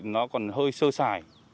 nó còn hơi sơ xài